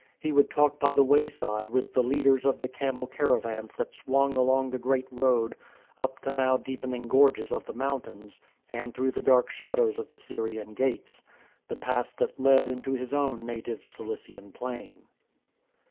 He would talk by the way side with the leaders of the camel caravans that swung along the great road up the now deepening gorges of the mountains and through the dark shadows of the Syrian Gates — the pass that led into his own native Cilician plain.